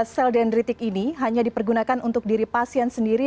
sel dendritik ini hanya dipergunakan untuk diri pasien sendiri